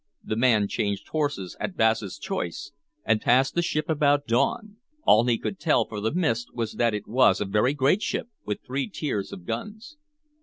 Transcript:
The man changed horses at Basse's Choice, and passed the ship about dawn. All he could tell for the mist was that it was a very great ship, with three tiers of guns."